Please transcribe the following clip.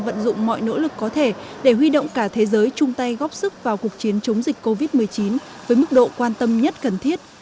vận dụng mọi nỗ lực có thể để huy động cả thế giới chung tay góp sức vào cuộc chiến chống dịch covid một mươi chín với mức độ quan tâm nhất cần thiết